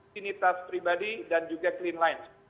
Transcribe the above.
klinitas pribadi dan juga clean lines